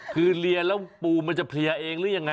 คือเรียนแล้วปูมันจะเพลียเองหรือยังไง